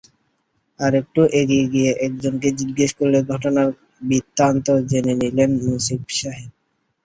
আরেকটু এগিয়ে গিয়ে একজনকে জিজ্ঞেস করে ঘটনার বৃত্তান্ত জেনে নিলেন নসিব সাহেব।